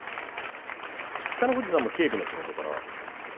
北の富士さんも警備の仕事から？